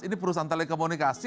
ini perusahaan telekomunikasi